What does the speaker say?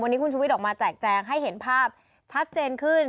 วันนี้คุณชุวิตออกมาแจกแจงให้เห็นภาพชัดเจนขึ้น